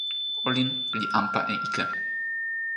olin li anpa e ike.